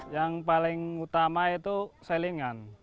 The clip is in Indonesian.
yang paling utama itu selingan